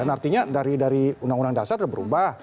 artinya dari undang undang dasar sudah berubah